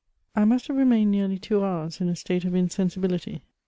I MUST have remained nearly two hours in a state of insen sibility.